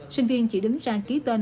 sinh viên chỉ đứng ra ký tên